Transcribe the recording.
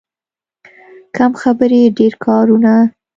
کم خبرې، ډېر کارونه.